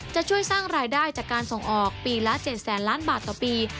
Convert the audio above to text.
จะช่วยสร้างรายได้จากการส่งออกปีละ๗แสนล้านบาทต่อปี